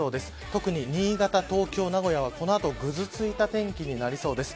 特に新潟、東京、名古屋はぐずついた天気になりそうです。